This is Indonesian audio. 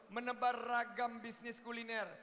menebar ragam bisnis kuliner